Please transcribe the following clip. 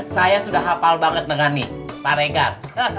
saya sudah hafal banget dengan nih pak regan